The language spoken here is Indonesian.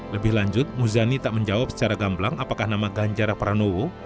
lebih lanjut muzani tak menjawab secara gamblang apakah nama ganjar pranowo